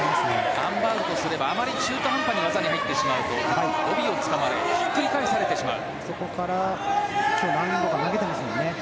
アン・バウルとすればあまり中途半端に技に入ってしまうと帯をつかまれひっくり返されてしまう。